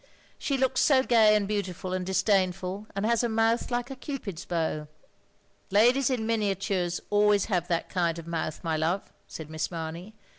She looks so gay and beautiful and disdainful, and has a mouth like a Cupid's bow." "Ladies in miniatures always have that kind of mouth, my love," said Miss Mamey.